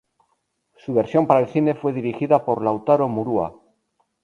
Su versión para el cine fue dirigida por Lautaro Murúa.